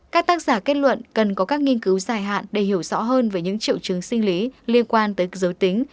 các tác giả kết luận cần có các nghiên cứu dài hạn để hiểu rõ hơn về những triệu chứng sinh lý liên quan tới giới tính